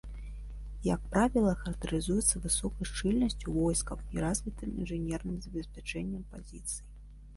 Як правіла, характарызуецца высокай шчыльнасцю войскаў і развітым інжынерным забеспячэннем пазіцый.